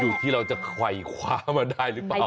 อยู่ที่เราจะไขว่คว้ามาได้หรือเปล่า